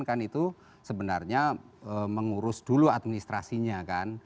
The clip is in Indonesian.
kan itu sebenarnya mengurus dulu administrasinya kan